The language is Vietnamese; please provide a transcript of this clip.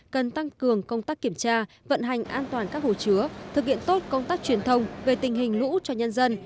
cần tăng cường công tác kiểm tra vận hành an toàn các hồ chứa thực hiện tốt công tác truyền thông về tình hình lũ cho nhân dân